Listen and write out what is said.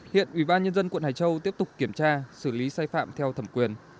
hiện ubnd quận hải châu tiếp tục kiểm tra xử lý sai phạm theo thẩm quyền